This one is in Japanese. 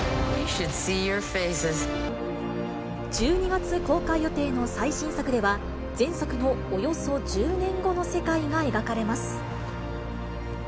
１２月公開予定の最新作では、前作のおよそ１０年後の世界が描かれます。